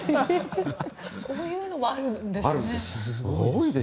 そういうのもあるんですね。